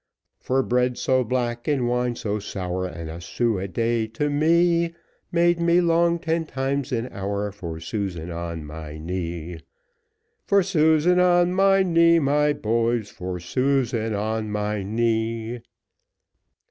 For bread so black, and wine so sour, And a son a day to me, Made me long ten times an hour, For Susan on my knee. Chorus For Susan on my knee, my boys, For Susan on my knee.